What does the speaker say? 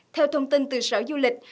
theo thông tin từ sở du lịch